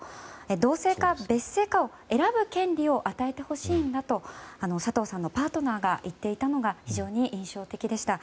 同姓か別姓かを選ぶ権利を与えてほしいんだと佐藤さんのパートナーが言っていたのが非常に印象的でした。